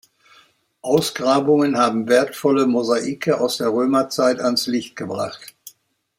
Ausgrabungen haben wertvolle Mosaike aus der Römerzeit ans Licht gebracht.